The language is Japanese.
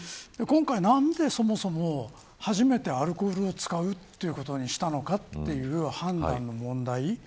今回、なんでそもそも初めてアルコールを使うということにしたのかという判断の問題。